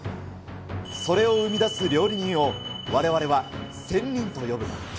それを生み出す料理人を、われわれは仙人と呼ぶ。